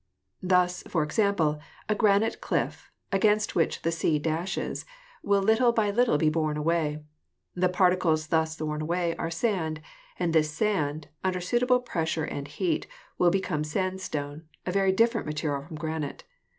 Thus, for example, a granite cliff, against which the sea dashes, will little by little be worn away. The particles thus worn away are sand, and this sand, under suitable pressure and heat, will become sandstone, a very different material from granite.